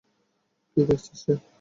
কী দেখছিস রে?